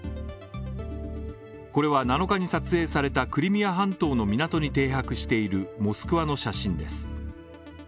これは７日に撮影されたクリミア半島の港に停泊しているモスクワの写真です。